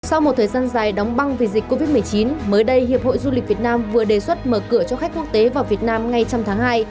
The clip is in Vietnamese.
sau một thời gian dài đóng băng vì dịch covid một mươi chín mới đây hiệp hội du lịch việt nam vừa đề xuất mở cửa cho khách quốc tế vào việt nam ngay trong tháng hai